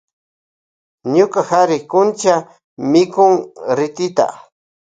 Ñuka kari kuncha mikun ritita.